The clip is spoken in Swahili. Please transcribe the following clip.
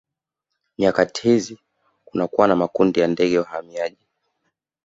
Nyakati hizi kunakuwa na makundi ya ndege wahamiaji